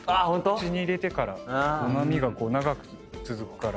口に入れてからうま味が長く続くから。